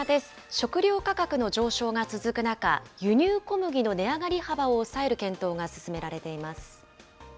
食料価格の上昇が続く中、輸入小麦の値上がり幅を抑える検討が進められています。